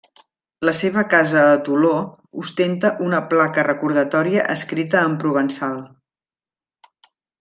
La seva casa a Toló ostenta una placa recordatòria escrita en provençal.